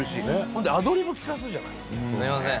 ほんでアドリブ利かすじゃない。